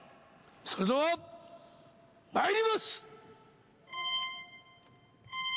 それではまいります！